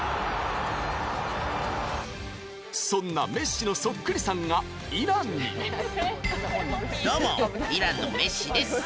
そんなメッシのそっくりさんがどうもイランのメッシです。